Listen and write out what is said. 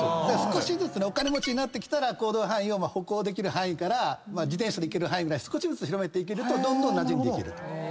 お金持ちになってきたら行動範囲を歩行できる範囲から自転車で行ける範囲に少しずつ広めるとどんどんなじんでいく。